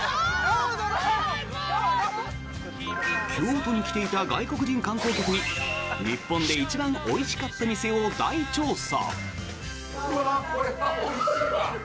京都に来ていた外国人観光客に日本で一番おいしかった店を大調査。